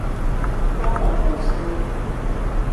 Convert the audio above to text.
干諾道西